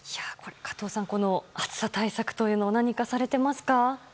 加藤さん、暑さ対策というのは何かされていますか？